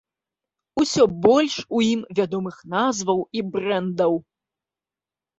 Усё больш у ім вядомых назваў і брэндаў.